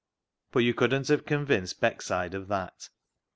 But you couldn't have convinced Beckside of that.